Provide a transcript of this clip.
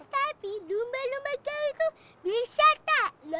tapi dumba dumba kau itu bisa kena